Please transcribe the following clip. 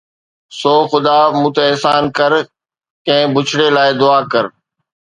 سو خدا، مون تي احسان ڪر، ڪنهن بڇڙي لاءِ دعا ڪر